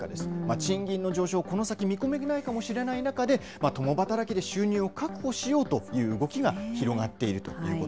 賃金の上昇、この先、見込めないかもしれない中で、共働きで収入を確保しようという動きが広がっているということ。